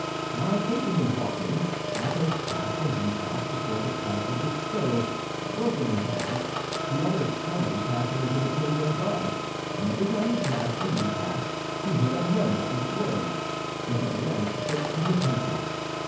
While thinking and walking, Athos passed and repassed before the pipe of the stove, broken in halves, the other extremity passing into the chamber above; and every time he passed and repassed he heard a murmur of words, which at length fixed his attention.